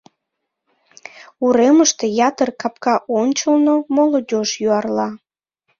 Уремыште ятыр капка ончылно молодёжь юарла.